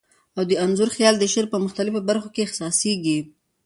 او د انځور خیال د شعر په مختلفو بر خو کي احسا سیږی.